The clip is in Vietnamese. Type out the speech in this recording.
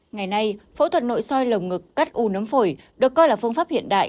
ngày nay phẫu thuật nội soi lồng ngực cắt u nấm phổi được coi là phương pháp hiện đại